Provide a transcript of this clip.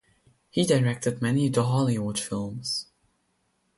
He directed many Dhallywood films.